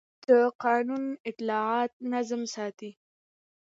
د قانون اطاعت نظم ساتي